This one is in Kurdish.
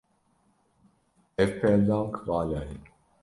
Ev peldank vala ye.